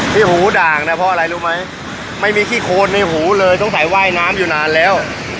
ที่หูด่างนะเพราะอะไรรู้ไหมไม่มีขี้โคนในหูเลยสงสัยว่ายน้ำอยู่นานแล้ว